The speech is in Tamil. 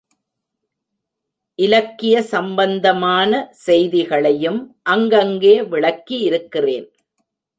இலக்கிய சம்பந்தமான செய்திகளையும் அங்கங்கே விளக்கியிருக்கிறேன்.